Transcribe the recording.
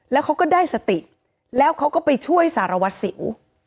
แล้วเขาก็ได้สติแล้วเขาก็ไปช่วยสารวัตรสิว